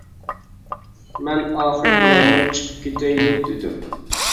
مەن ئاخىر بولالماي، «چىقىپ كېتەيلى» دېدىم.